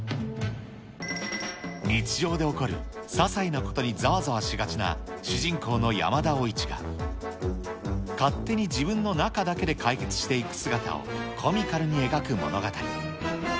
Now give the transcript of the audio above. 日常で起こるささいなことにざわざわしがちな主人公の山田おいちが、勝手に自分の中だけで解決していく姿をコミカルに描く物語。